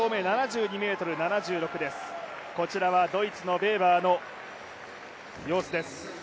こちらはドイツのベーバーの様子です。